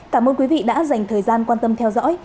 cảm ơn quý vị đã dành thời gian quan tâm theo dõi